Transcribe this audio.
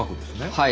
はい。